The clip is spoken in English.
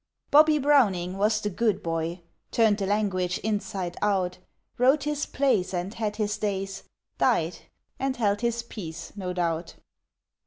Bobbie Browning was the good boy; Turned the language inside out, Wrote his plays and had his days, Died and held his peace, no doubt.